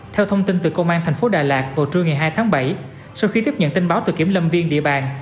theo thông tin từ công an thành phố đà lạt vào trưa ngày hai tháng bảy sau khi tiếp nhận tin báo từ kiểm lâm viên địa bàn